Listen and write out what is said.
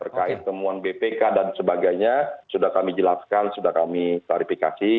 terkait temuan bpk dan sebagainya sudah kami jelaskan sudah kami klarifikasi